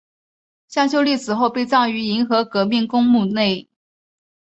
向秀丽死后被葬于银河革命公墓内。